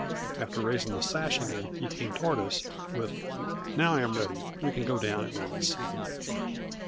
After raising the sash again, he came toward us, with, "Now I am ready, we can go down at once."